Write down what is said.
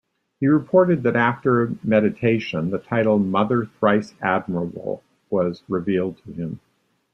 He reported that after meditation, the title "Mother Thrice Admirable" was revealed to him.